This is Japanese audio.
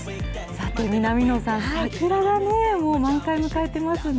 さて南野さん、桜がね、満開迎えてますね。